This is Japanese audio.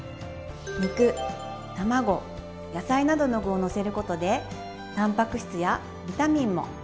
肉卵野菜などの具をのせることでたんぱく質やビタミンも一緒にとることができます。